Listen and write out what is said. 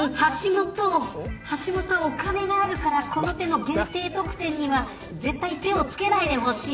橋下、お金があるからこの手の限定特典には絶対、手を付けないでほしい。